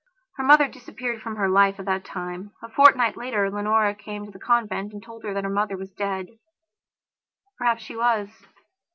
Her mother disappeared from her life at that time. A fortnight later Leonora came to the convent and told her that her mother was dead. Perhaps she was.